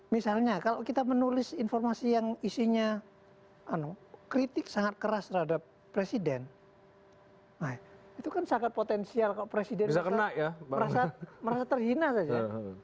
misalnya kalau kita menulis informasi yang isinya kritik sangat keras terhadap presiden itu kan sangat potensial kalau presiden merasa terhina saja